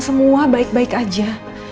semua baik baik aja